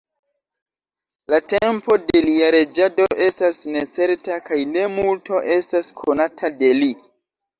La tempo de lia reĝado estas necerta kaj ne multo estas konata de li.